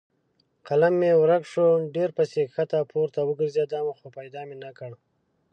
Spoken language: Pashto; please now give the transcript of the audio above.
قلم مې ورک شو؛ ډېر پسې کښته پورته وګرځېدم خو پیدا مې نه کړ.